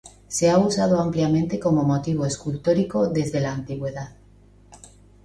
Se ha usado ampliamente como motivo escultórico desde la antigüedad.